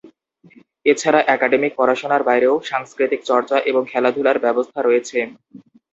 এছাড়া একাডেমিক পড়াশোনার বাইরেও সাংস্কৃতিক চর্চা এবং খেলাধুলার ব্যবস্থা রয়েছে।